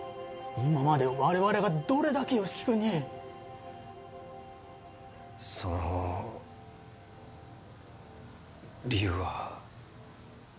今まで我々がどれだけ吉木君にその理由は？